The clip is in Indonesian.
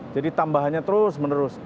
jadi tambahannya terus menerus